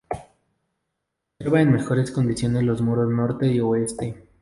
Conserva en mejores condiciones los muros norte y oeste.